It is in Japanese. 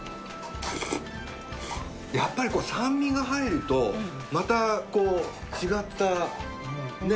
やっぱりこう酸味が入るとまた違ったね